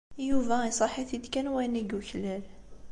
Yuba iṣaḥ-it-id kan wayen i yuklal.